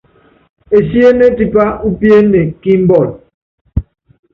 Esiéné tipá úpiéne kí mbɔl.